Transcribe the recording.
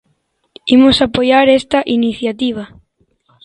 Imos apoiar esta iniciativa.